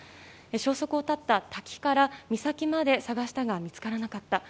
消息を絶った滝から岬まで捜したが見つからなかった。